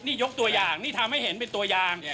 นี่ยกตัวอย่างนี่ทำให้เห็นเป็นตัวยางเนี่ย